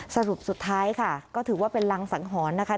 สรุปสุดท้ายค่ะก็ถือว่าเป็นรังสังหรณ์นะคะ